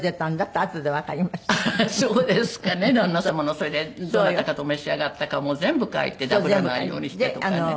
それでどなたかと召し上がったかも全部書いてダブらないようにしてとかね。